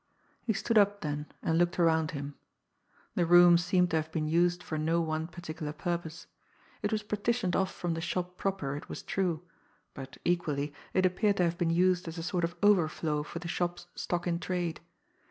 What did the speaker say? He stood up then, and looked around him. The room seemed to have been used for no one particular purpose. It was partitioned off from the shop proper, it was true; but, equally, it appeared to have been used as a sort of overflow for the shop's stock in trade.